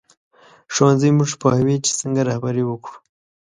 ښوونځی موږ پوهوي چې څنګه رهبري وکړو